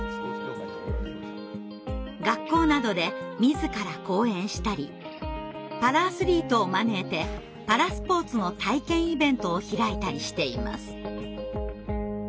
学校などで自ら講演したりパラアスリートを招いてパラスポーツの体験イベントを開いたりしています。